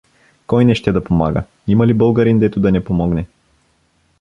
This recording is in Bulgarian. — Кой не ще да помага, има ли българин, дето да не помогне?